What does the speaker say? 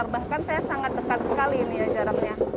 bahkan saya sangat dekat sekali ini ya jaraknya